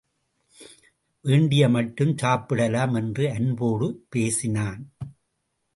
வேண்டிய மட்டும் சாப்பிடலாம் என்று அன்போடு பேசினான்.